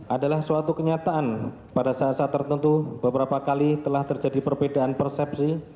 adalah suatu kenyataan pada saat saat tertentu beberapa kali telah terjadi perbedaan persepsi